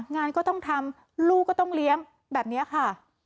งานก็ต้องทำลูกก็ต้องเลี้ยงแบบนี้ค่ะ